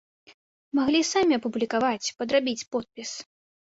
Маглі самі апублікаваць, падрабіць подпіс.